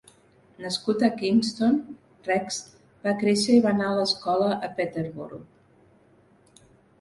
Nascut a Kingston, Rexe va créixer i va anar a l"escola a Peterborough.